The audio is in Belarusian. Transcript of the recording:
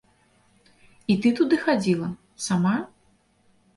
І ты туды хадзіла, сама?